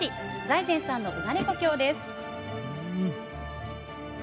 財前さんの生まれ故郷です。